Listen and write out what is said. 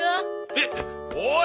えっおい！